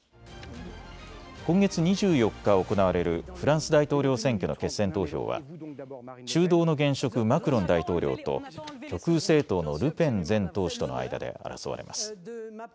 今月２４日、行われるフランス大統領選挙の決選投票は中道の現職マクロン大統領と極右政党のルペン前党首との間で争われます。